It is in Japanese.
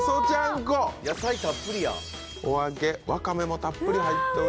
お揚げわかめもたっぷり入っております。